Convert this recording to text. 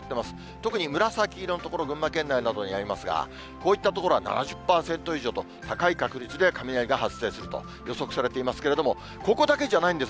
特に紫色の所、群馬県内などにありますが、こういった所は７０％以上と、高い確率で雷が発生すると予測されていますけれども、ここだけじゃないんです。